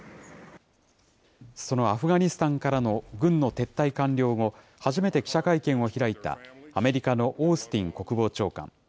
そのアフガニスタンからの軍の撤退完了後、初めて記者会見を開いたアメリカのオースティン国防長官。